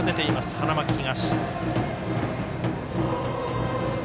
花巻東。